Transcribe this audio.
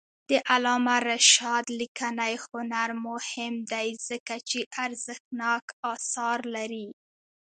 د علامه رشاد لیکنی هنر مهم دی ځکه چې ارزښتناک آثار لري.